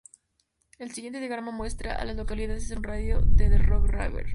El siguiente diagrama muestra a las localidades en un radio de de Rock River.